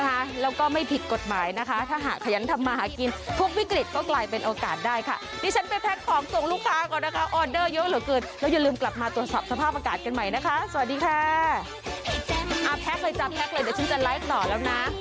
แล้วก็ไม่ผิดกฎหมายนะคะถ้าหาขยันทำมาหากินทุกวิกฤตก็กลายเป็นโอกาสได้ค่ะนี่ฉันไปแพ็คของส่งลูกค้าก่อนนะคะออเดอร์เยอะเหลือเกิดแล้วอย่าลืมกลับมาตรวจสอบสภาพอากาศกันใหม่นะคะสวัสดีค่ะ